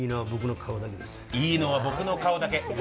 いいのは僕の顔だけです。